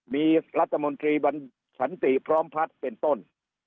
มีรัฐมนตรีสันติพร้อมพัฒน์เป็นต้น